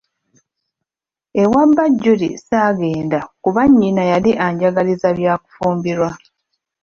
Ewa ba Julie ssaagenda kuba nnyina yali anjagaliza bya kufumbirwa.